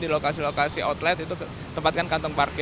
di mana tempatnya berlaku